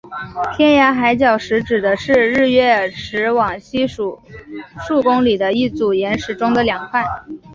天涯海角石指的是日月石往西数公里的一组岩石中的两块。